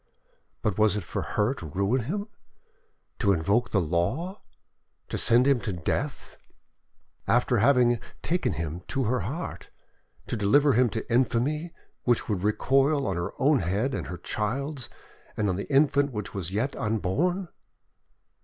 but was it for her to ruin him, to invoke the law, to send him to death, after having taken him to her heart, to deliver him to infamy which would recoil on her own head and her child's and on the infant which was yet unborn?